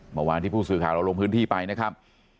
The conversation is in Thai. เมื่อวานที่ผู้สื่อข่าวเราลงพื้นที่ไปนะครับ